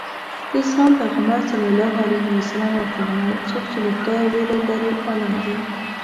د اسلام پیغمبر ص وفرمایل څوک چې له خدایه وېره لري عالم دی.